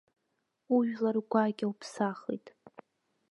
Ужәлар гәакьа уԥсахит!